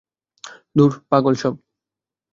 ধুর, পাগল সব।